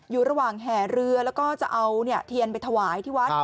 อยู่ระหว่างแห่เรือแล้วก็จะเอาเทียนไปถวายที่วัด